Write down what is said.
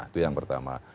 itu yang pertama